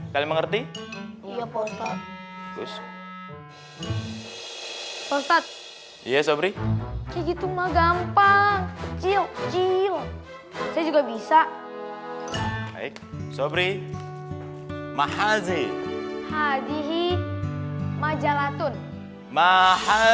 hai pesat yes obrik itu mah gampang cil cil juga bisa hai sobre maha zee hadihi majalatun maha